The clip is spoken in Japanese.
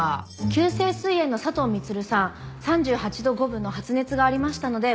急性膵炎の佐藤満さん３８度５分の発熱がありましたのでご報告です。